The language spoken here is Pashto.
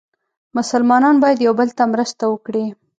مسلمانان باید یو بل ته مرسته وکړي.